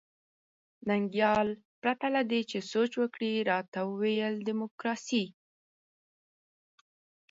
ننګیال پرته له دې چې سوچ وکړي راته وویل ډیموکراسي.